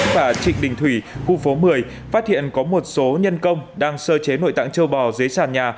và trịnh đình thủy khu phố một mươi phát hiện có một số nhân công đang sơ chế nội tạng châu bò dưới sàn nhà